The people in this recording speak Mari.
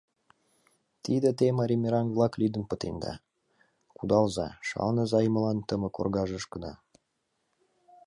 «Тиде те, марий мераҥ-влак, лӱдын пытенда — кудалза, шаланыза ӱмылан тымык оргажышкыда».